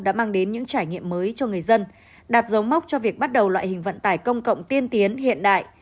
đã mang đến những trải nghiệm mới cho người dân đạt dấu mốc cho việc bắt đầu loại hình vận tải công cộng tiên tiến hiện đại